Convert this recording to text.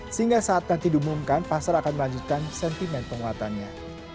sehingga saat nanti diumumkan pasar akan melanjutkan sentimen penguatannya